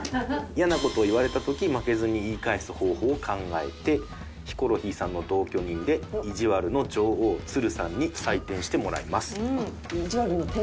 嫌な事を言われた時負けずに言い返す方法を考えてヒコロヒーさんの同居人でいじわるの女王つるさんに採点してもらいます。